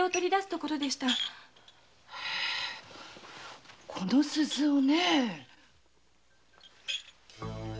へぇこの鈴をねぇ。